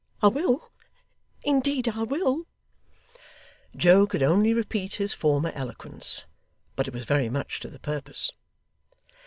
I will: indeed I will!' Joe could only repeat his former eloquence but it was very much to the purpose.